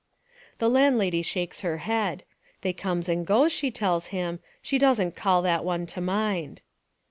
The landlady shakes her head. They comes and goes, she tells him, she doesn't call that one to mind.